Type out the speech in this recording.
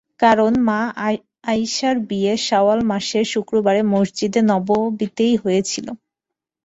কারণ, মা আয়িশার বিয়ে শাওয়াল মাসের শুক্রবারে মসজিদে নববিতেই হয়েছিল।